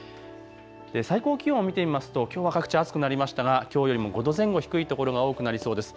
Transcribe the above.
最高気温を見てみますときょうは各地、暑くなりましたがきょうよりも５度前後低い所が多くなりそうです。